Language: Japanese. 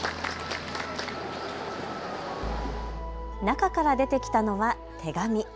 中から出てきたのは手紙。